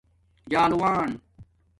جلاݸن